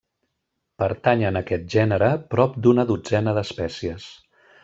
Pertanyen a aquest gènere prop d'una dotzena d'espècies.